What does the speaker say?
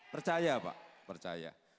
percaya pak percaya